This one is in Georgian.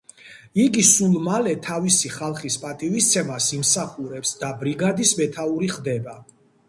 იგი სულ მალე თავისი ხალხის პატივისცემას იმსახურებს და ბრიგადის მეთაური ხდება.